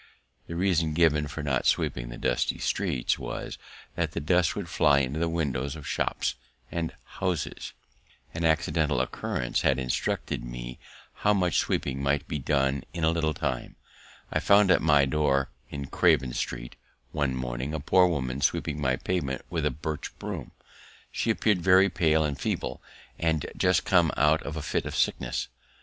The reason given for not sweeping the dusty streets was that the dust would fly into the windows of shops and houses. [Illustration: "a poor woman sweeping my pavement with a birch broom"] An accidental occurrence had instructed me how much sweeping might be done in a little time. I found at my door in Craven street, one morning, a poor woman sweeping my pavement with a birch broom; she appeared very pale and feeble, as just come out of a fit of sickness.